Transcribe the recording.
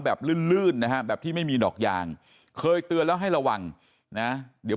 ลื่นลื่นนะฮะแบบที่ไม่มีดอกยางเคยเตือนแล้วให้ระวังนะเดี๋ยว